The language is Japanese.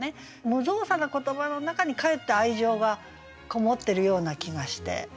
無造作な言葉の中にかえって愛情がこもってるような気がして。